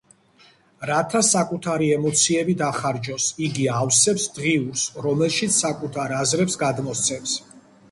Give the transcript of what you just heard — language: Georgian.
რათა საკუთარი ემოციები დახარჯოს, იგი ავსებს დღიურს, რომელშიც საკუთარ აზრებს გადმოსცემს.